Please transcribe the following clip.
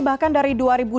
bahkan dari dua ribu dua puluh